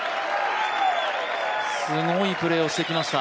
すごいプレーをしてきました。